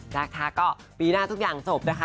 นะคะก็ปีหน้าทุกอย่างจบนะคะ